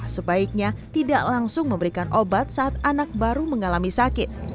sebaiknya tidak langsung memberikan obat saat anak baru mengalami sakit